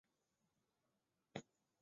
邦维拉尔的总面积为平方公里。